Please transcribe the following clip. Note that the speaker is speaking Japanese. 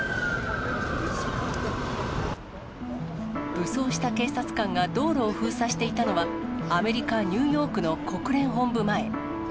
武装した警察官が道路を封鎖していたのは、アメリカ・ニューヨークの国連本部前。